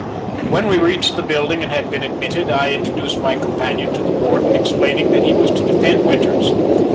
When we reached the building and had been admitted, I introduced my companion to the warden, explaining that he was to defend Winters.